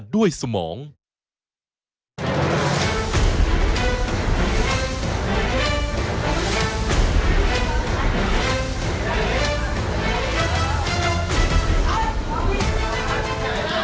ตายก่อนว่ะ